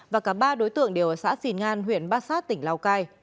và cả ba đối tượng đều ở xã phìn ngan huyện bát sát tỉnh lào cai